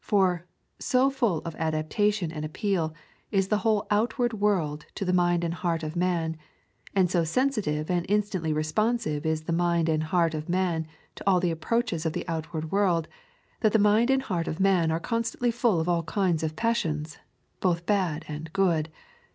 For, so full of adaptation and appeal is the whole outward world to the mind and heart of man, and so sensitive and instantly responsive is the mind and heart of man to all the approaches of the outward world, that the mind and heart of man are constantly full of all kinds of passions, both bad and good.